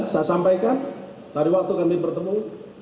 saya sampaikan tadi waktu kami bertemu